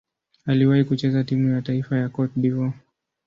Aliwahi kucheza timu ya taifa ya Cote d'Ivoire.